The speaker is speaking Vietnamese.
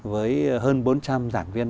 với hơn bốn trăm linh giảng viên